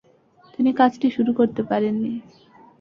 তিনি কাজটি শুরু করতে পারেন নি।